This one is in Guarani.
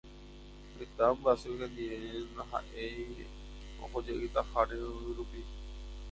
Heta ombyasy hendive ndahaʼéi ohojeytaháre yvy rupi.